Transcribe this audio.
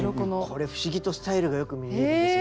これ不思議とスタイルがよく見えるんですよ。